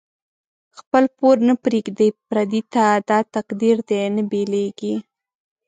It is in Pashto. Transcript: خپل پور نه پریږدی پردی ته، دا تقدیر دۍ نه بیلیږی